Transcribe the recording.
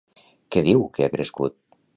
Què diu que ha crescut?